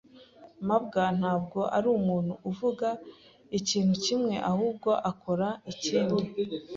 mabwa ntabwo arumuntu uvuga ikintu kimwe ahubwo akora ikindi.